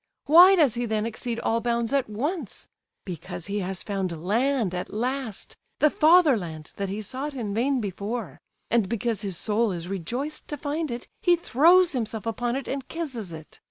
Why does he then exceed all bounds at once? Because he has found land at last, the fatherland that he sought in vain before; and, because his soul is rejoiced to find it, he throws himself upon it and kisses it!